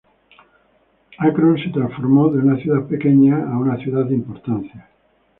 Akron se transformó de una ciudad pequeña a una ciudad de importancia.